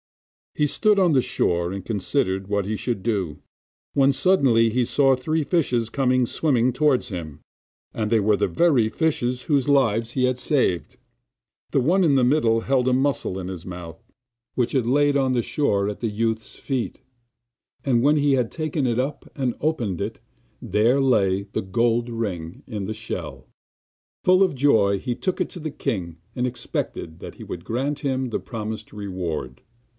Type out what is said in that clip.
He stood on the shore and considered what he should do, when suddenly he saw three fishes come swimming towards him, and they were the very fishes whose lives he had saved. The one in the middle held a mussel in its mouth, which it laid on the shore at the youth's feet, and when he had taken it up and opened it, there lay the gold ring in the shell. Full of joy he took it to the king and expected that he would grant him the promised reward.